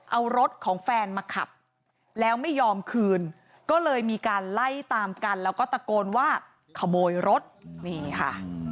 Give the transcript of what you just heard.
เอารถของแฟนมาขับแล้วไม่ยอมคืนก็เลยมีการไล่ตามกันแล้วก็ตะโกนว่าขโมยรถนี่ค่ะ